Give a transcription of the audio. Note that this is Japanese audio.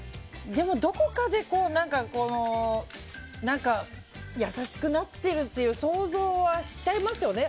でも、どこかで優しくなってるという想像はしちゃいますよね。